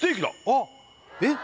あっえっ